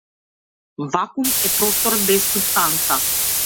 Вакуум е простор без супстанца.